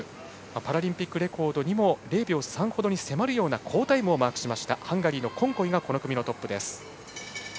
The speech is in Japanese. パラリンピックレコードにも０秒３ほどに迫るような好タイムをマークしましたハンガリーのコンコイがこの組のトップです。